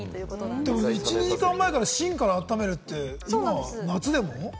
でも、１２時間前から芯から温めるって夏でも？